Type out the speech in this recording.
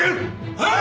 はい！